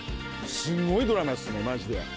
すんごいドラマっすねマジで。